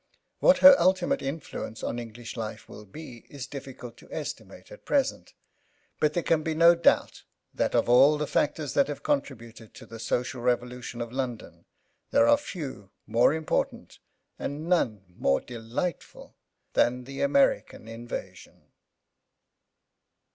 What her ultimate influence on English life will be it is difficult to estimate at present; but there can be no doubt that, of all the factors that have contributed to the social revolution of London, there are few more important, and none more delightful, than the American Invasion.